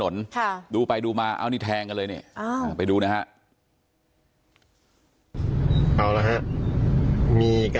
นี่ค่ะคือที่แรกใครเห็นเนี่ย